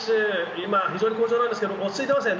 今非常に好調なんですけど落ち着いてますね。